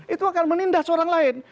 itu akan menindas orang lain